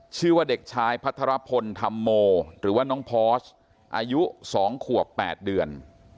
ชื่อว่าเด็กชายพัทรพลธรรมโมหรือว่าน้องพอร์สอายุ๒ขวบ๘เดือน